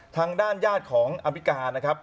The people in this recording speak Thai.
ทางด้านญาติของอภิกานะครับ